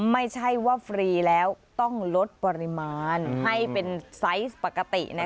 ไม่ใช่ว่าฟรีแล้วต้องลดปริมาณให้เป็นไซส์ปกติ